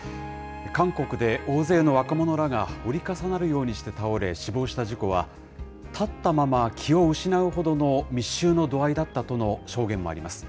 韓国で大勢の若者らが折り重なるようにして倒れ、死亡した事故は、立ったまま気を失うほどの密集の度合いだったとの証言もあります。